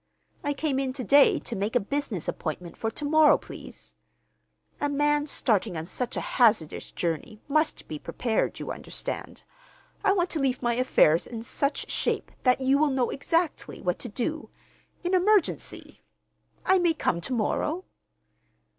I came in to day to make a business appointment for to morrow, please. A man starting on such a hazardous journey must be prepared, you understand. I want to leave my affairs in such shape that you will know exactly what to do—in emergency. I may come to morrow?"